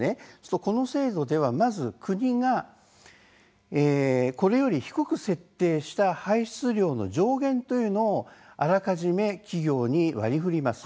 この制度ではまず国が低く設定した排出量の上限というのをあらかじめ企業に割りふります。